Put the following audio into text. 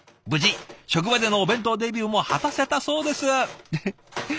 無事職場でのお弁当デビューも果たせたそうです。